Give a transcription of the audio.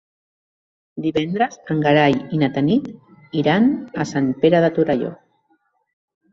Divendres en Gerai i na Tanit iran a Sant Pere de Torelló.